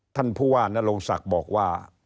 ท่านผู้ว่านโรงศักดิ์บอกว่า